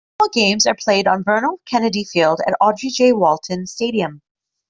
Football games are played on Vernon Kennedy Field at Audrey J. Walton Stadium.